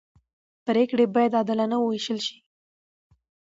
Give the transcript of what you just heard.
پرېکړې باید عادلانه وېشل شي